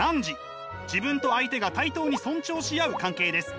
自分と相手が対等に尊重し合う関係です。